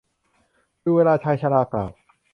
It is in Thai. ดูเวลา ชายชรากล่าว